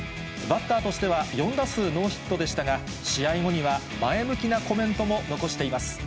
バッターとしては４打数ノーヒットでしたが、試合後には前向きなコメントも残しています。